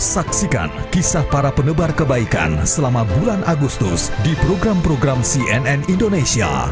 saksikan kisah para penebar kebaikan selama bulan agustus di program program cnn indonesia